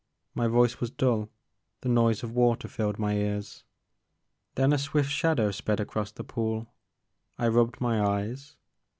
My voice was dull; the noise of water filled my ears. Then a swifl shadow sped across the pool ; I rubbed my eyes.